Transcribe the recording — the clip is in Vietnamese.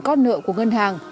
cót nợ của ngân hàng